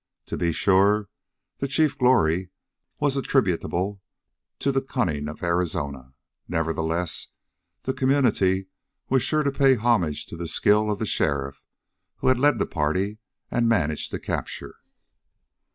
To be sure, the chief glory was attributable to the cunning of Arizona; nevertheless, the community was sure to pay homage to the skill of the sheriff who had led the party and managed the capture.